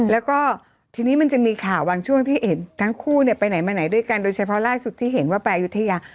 แล้วก็ทีนี้มันจะมีข่าวบางช่วงที่เห็นทั้งคู่เนี่ยไปไหนมาไหนด้วยกันโดยเฉพาะล่าสุดที่เห็นว่าไปอายุทยา